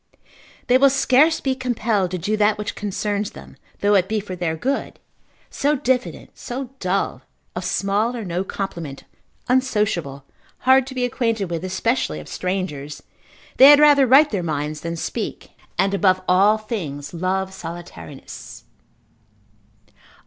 they will scarce be compelled to do that which concerns them, though it be for their good, so diffident, so dull, of small or no compliment, unsociable, hard to be acquainted with, especially of strangers; they had rather write their minds than speak, and above all things love solitariness.